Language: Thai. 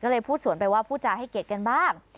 ก็เลยพูดสวนไปว่าผู้จาให้เกียรติกันบ้าง